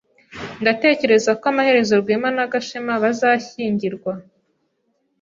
Ndatekereza ko amaherezo Rwema na Gashema bazashyingirwa.